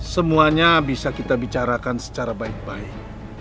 semuanya bisa kita bicarakan secara baik baik